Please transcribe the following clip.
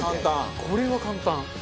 これは簡単。